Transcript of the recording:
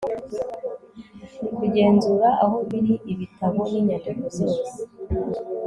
Kugenzura aho biri ibitabo n inyandiko zose